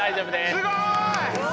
すごい！わ！